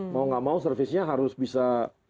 mau gak mau servisnya harus bisa